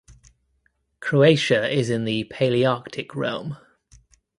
Croatia is in the Palearctic realm.